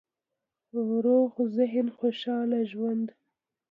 روغ ذهن، خوشحاله ژوند